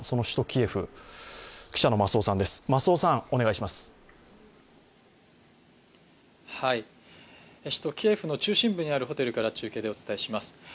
首都キエフの中心部にあるホテルから中継でお伝えします。